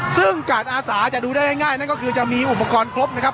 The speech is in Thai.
ซึ่งการอาสาจะดูได้ง่ายนั่นก็คือจะมีอุปกรณ์ครบนะครับ